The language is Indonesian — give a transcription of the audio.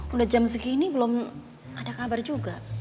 udah jam segini belum ada kabar juga